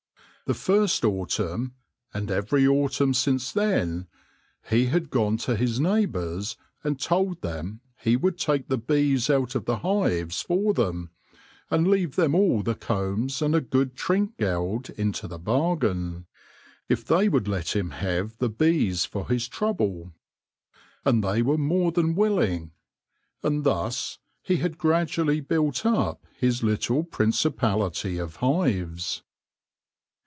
The first autumn, and every autumn since then, he had gone to his neighbours and told them he would take the bees out of the hives for them, and leave them all the combs and a good trink geld into the bargain, if they would let him have the bees for his trouble. And they were more than will ing. And thus he had gradually built up his little principality of hives.